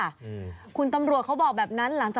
ทีนี้จับวุกจับวงไพ่ในนั้น